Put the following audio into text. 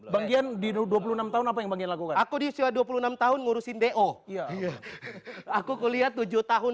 bang gian di dua puluh enam tahun apa yang bagian lakukan aku di usia dua puluh enam tahun ngurusin do iya iya aku kuliah tujuh tahun